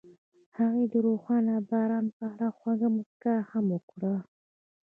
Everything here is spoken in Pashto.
هغې د روښانه باران په اړه خوږه موسکا هم وکړه.